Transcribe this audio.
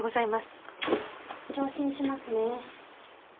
聴診しますね。